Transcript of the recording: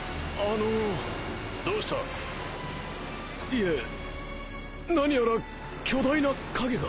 いえ何やら巨大な影が。